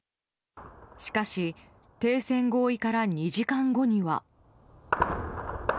しかし停戦合意から２時間後には。